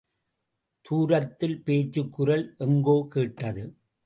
தூரத்தில் பேச்சுக்குரல் எங்கோ கேட்டது.